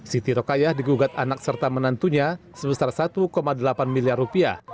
siti rokayah digugat anak serta menantunya sebesar satu delapan miliar rupiah